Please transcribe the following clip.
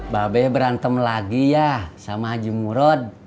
ba ba berantem lagi ya sama haji murad